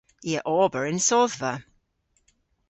I a ober yn sodhva.